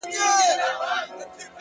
چي ټوله ورځ ستا د مخ لمر ته ناست وي ـ